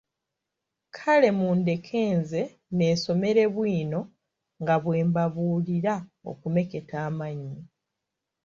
kale mundeke nze neesomere bwino nga bwe mbabuulira okumeketa amannyo.